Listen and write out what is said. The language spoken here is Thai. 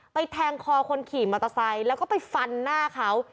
แทงคอคนขี่มอเตอร์ไซค์แล้วก็ไปฟันหน้าเขา